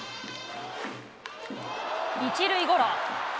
１塁ゴロ。